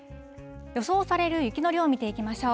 予想される雪の量、見ていきましょう。